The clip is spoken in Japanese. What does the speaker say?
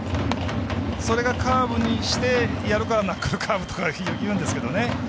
それがカーブにしてやるからナックルカーブとかいうんですけどね。